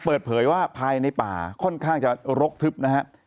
เปิดเผยว่าภายในป่าค่อนข้างจะรกทึบนะฮะ